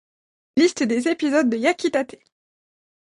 Liste des épisodes de Yakitate!!